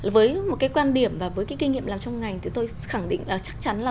với một cái quan điểm và với cái kinh nghiệm làm trong ngành thì tôi khẳng định chắc chắn là